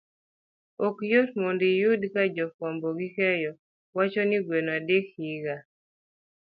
Ok yot mondo iyud ka ja fuambo gi keyo wacho ni gweno adek, higa